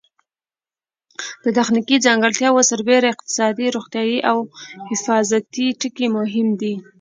د تخنیکي ځانګړتیاوو سربېره اقتصادي، روغتیایي او حفاظتي ټکي مهم دي.